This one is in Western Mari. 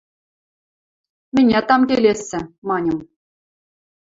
Мӹнят ам келесӹ, – маньым.